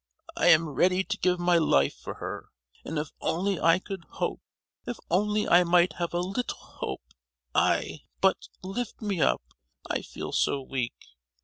"I am ready to give my life for her! And if only I could hope, if only I might have a little hope—I,—but, lift me up; I feel so weak.